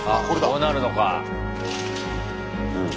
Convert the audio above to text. こうなるのか。